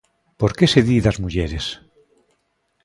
Por que se di das mulleres?